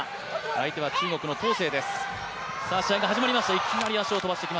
相手は中国の唐セイです。